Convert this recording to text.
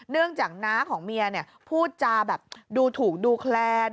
เนื่องจากน้าของเมียพูดจาแบบดูถูกดูแคลน